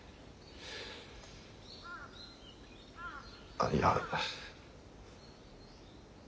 あっいや。